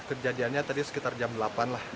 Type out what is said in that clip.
kejadiannya tadi sekitar jam delapan lah